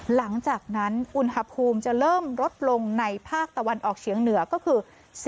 หลังจากนั้นอุณหภูมิจะเริ่มลดลงในภาคตะวันออกเฉียงเหนือก็คือ